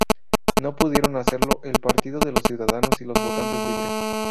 No pudieron hacerlo el Partido de los Ciudadanos y los Votantes Libres.